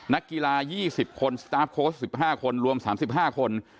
นักกีฬา๒๐คนสตาร์ฟโค้ช๑๕คนรวม๓๕คน